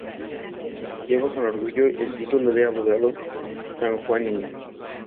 Lleva con orgullo el título de abogado Sanjuanino.